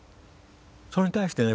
それに対してね